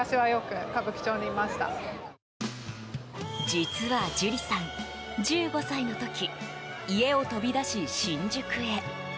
実はＪｕｌｉさん、１５歳の時家を飛び出し新宿へ。